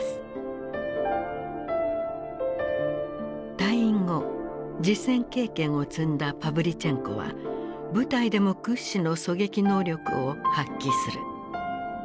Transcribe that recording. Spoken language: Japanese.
退院後実戦経験を積んだパヴリチェンコは部隊でも屈指の狙撃能力を発揮する。